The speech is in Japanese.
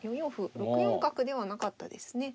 ６四角ではなかったですね。